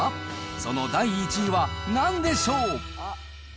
その第１位はなんでしょう。